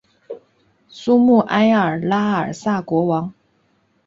苏穆埃尔拉尔萨国王。